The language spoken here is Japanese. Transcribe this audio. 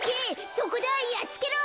そこだやっつけろ！